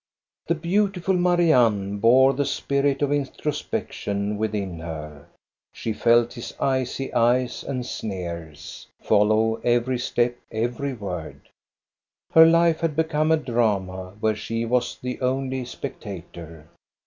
The beautiful Marianne bore the spirit of intro spection within her. She felt his icy eyes and sneers I40 THE STORY OF GOSTA BERLING follow every step, every word. Her life had become a drama where she was the only spectator.